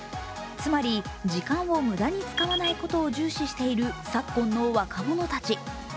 つまり時間を無駄に使わないことを重視している昨今の若者たち。